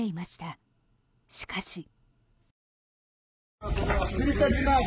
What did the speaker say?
しかし。